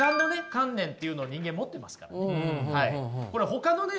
観念っていうのを人間持ってますからねほかのね